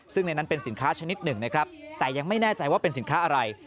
ซึ่งในนั้นเป็นสินค้าชนิดหนึ่งนะครับแต่ยังไม่แน่ใจว่าเป็นสินค้าอะไร